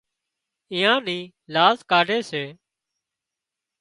اويئان نِِي لاز ڪاڍي سي